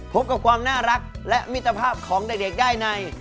พบกับความน่ารักและมิตรภาพของเด็กได้ใน